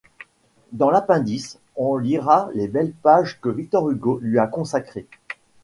Dans l'appendice, on lira les belles pages que Victor Hugo lui a consacrées.